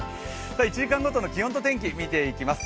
１時間ごとの気温と天気、見ていきます。